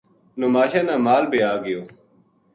نوماشاں نا مال بے آگیو